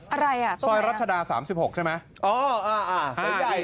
อะไรอ่ะซอยรัชดา๓๖ใช่ไหม